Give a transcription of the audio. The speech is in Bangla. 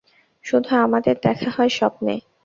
শুধু আমাদের দেখা হয় স্বপ্নে।